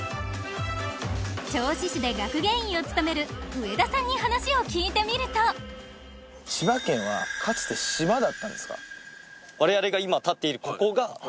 銚子市で学芸員を務める上田さんに話を聞いてみると千葉県はかつて島だったんですか？